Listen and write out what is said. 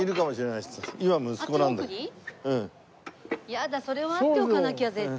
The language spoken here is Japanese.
やだそれは会っておかなきゃ絶対。